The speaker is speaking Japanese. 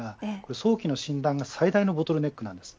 早期の診断が最大のボトルネックです。